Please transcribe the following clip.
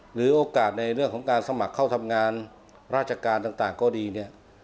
หรือโอกาสในเรื่องของการสมัครเข้าทำงานราชการต่างก็ดีเนี่ย